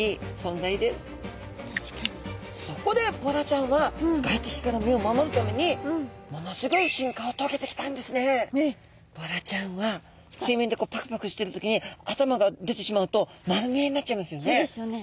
そこでボラちゃんはボラちゃんは水面でパクパクしてる時に頭が出てしまうと丸見えになっちゃいますよね。